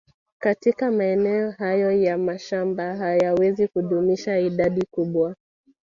Katika maeneo hayo ya mashamba hayawezi kudumisha idadi kubwa